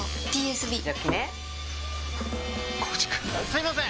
すいません！